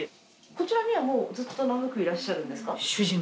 こちらにはもうずっと長くいらっしゃるんですか？